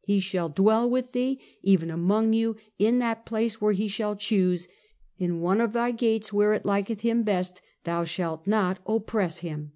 "He shall dwell with thee, even among you, in that place where he shall choose, in one of thy gates, where it liketh him best, thou shalt not oppress him."